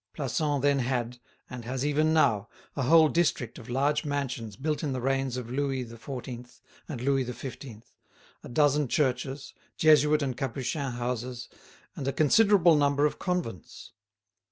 Plassans then had, and has even now, a whole district of large mansions built in the reigns of Louis XIV. and Louis XV., a dozen churches, Jesuit and Capuchin houses, and a considerable number of convents.